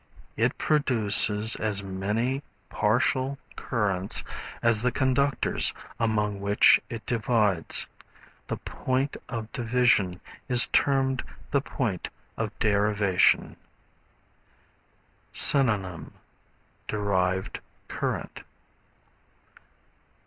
It produces as many partial currents as the conductors among which it divides. The point of division is termed the point of derivation. Synonym Derived Current.